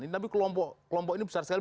tapi kelompok ini besar sekali